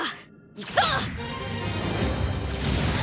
行くぞ！